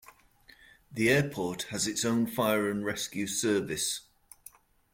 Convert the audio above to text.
The airport has its own fire and rescue service.